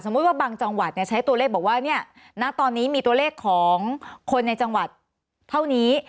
ว่าบางจังหวัดใช้ตัวเลขบอกว่าเนี่ยณตอนนี้มีตัวเลขของคนในจังหวัดเท่านี้